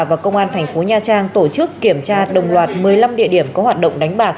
và công an thành phố nha trang tổ chức kiểm tra đồng loạt một mươi năm địa điểm có hoạt động đánh bạc